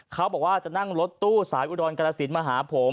เขาบอกว่าจะนั่งรถตู้สายอุดรกรสินมาหาผม